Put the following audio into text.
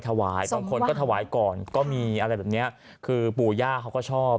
บางคนก็ถวายก่อนก็มีอะไรแบบเนี้ยคือปู่ย่าเขาก็ชอบ